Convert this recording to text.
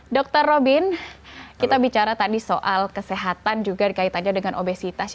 dr robin kita bicara tadi soal kesehatan juga dikaitannya dengan obesitas